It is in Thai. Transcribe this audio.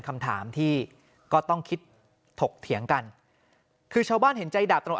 คำถามที่ก็ต้องคิดถกเถียงกันคือชาวบ้านเห็นใจดาบตำรวจ